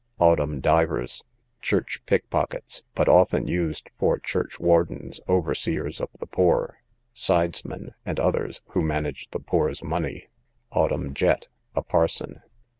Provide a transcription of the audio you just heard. Autumn divers, church pickpockets; but often used for churchwardens, overseers of the poor, sidesmen, and others, who manage the poor's money. Autumn jet, a parson.